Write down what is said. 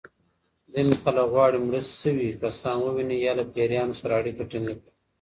ځینې خلک غواړي مړه شوي کسان وویني یا له پېریانو سره اړیکه ټېنګه کړي.